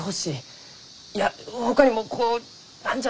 いやほかにもこう何じゃ？